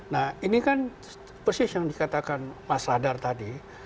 nah ini kan persis yang dikatakan mas radar tadi